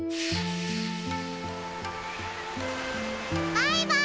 バイバイ！